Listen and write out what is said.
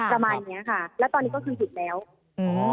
สมัยอย่างนี้ค่ะแล้วตอนนี้ก็เกิดถึงแล้ว